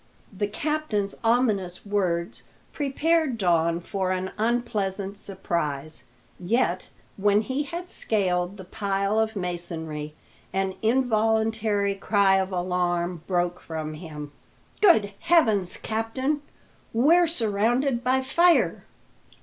The captain's ominous words prepared Don for an unpleasant surprise; yet, when he had scaled the pile of masonry, an involuntary cry of alarm broke from him. "Good heavens, captain, we're surrounded by fire!"